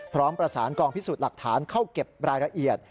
พร้อมประสานกองพิสูจน์หลักฐานเข้าเก็บรายละเอียด